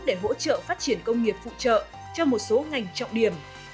để hỗ trợ phát triển công nghiệp phụ trợ cho một số ngành trọng điểm